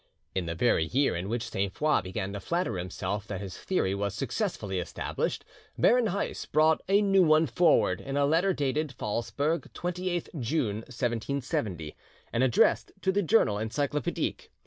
In the very year in which Sainte Foix began to flatter himself that his theory was successfully established, Baron Heiss brought a new one forward, in a letter dated "Phalsburg, 28th June 1770," and addressed to the 'Journal Enclycopedique'.